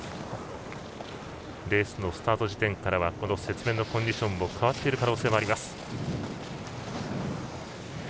レースのスタート地点からは雪面のコンディションも変わっている可能性もあります。